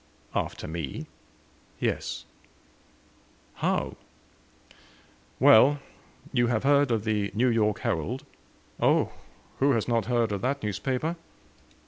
"After me?" "Yes." "How?" "Well. You have heard of the 'New York Herald?'" "Oh who has not heard of that newspaper?"